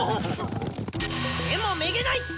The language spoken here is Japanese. でもめげない！